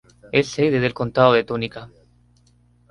Es sede del condado de Tunica.